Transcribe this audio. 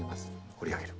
掘り上げる。